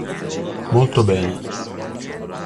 Molto bene.